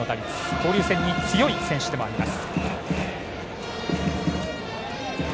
交流戦に強い選手でもあります。